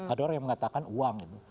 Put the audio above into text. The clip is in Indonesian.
ada orang yang mengatakan uang gitu